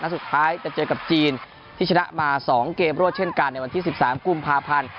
สุดท้ายจะเจอกับจีนที่ชนะมา๒เกมรวดเช่นกันในวันที่๑๓กุมภาพันธ์